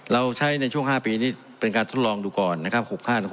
เราใช้ในช่วง๕ปีนี้เป็นการทดลองดูก่อนนะครับ